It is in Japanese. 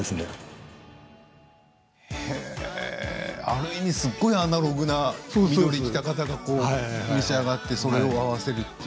ある意味すごいアナログなあんな緑色を着た方が召し上がって、それを合わせる。